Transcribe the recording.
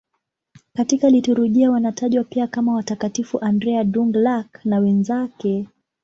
Katika liturujia wanatajwa pia kama Watakatifu Andrea Dũng-Lạc na wenzake.